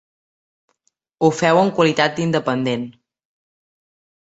Ho feu en qualitat d'independent.